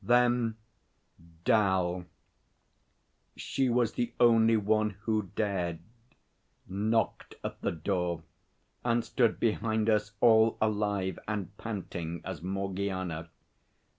Then 'Dal she was the only one who dared knocked at the door and stood behind us all alive and panting as Morgiana.